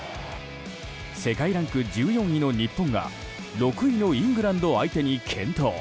世界ランク１４位の日本が６位のイングランド相手に健闘。